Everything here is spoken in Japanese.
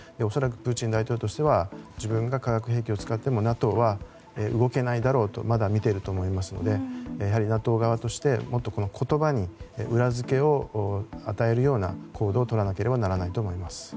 恐らくプーチン大統領としては自分が化学兵器を使ってもＮＡＴＯは動けないだろうとまだ見ていると思いますのでやはりＮＡＴＯ側としてもっと言葉に裏付けを与えるような行動をとらなければならないと思います。